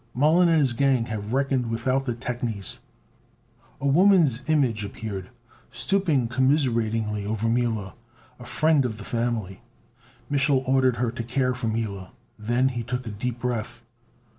"Mollon and his gang have reckoned without the technies." A woman's image appeared, stooping commiseratingly over Mila a friend of the family. Mich'l ordered her to care for Mila. Then, he took a deep breath.